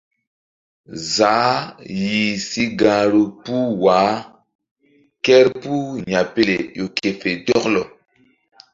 Zaah yih si gahru puh wah kerpuh Yapele ƴo ke fe zɔklɔ.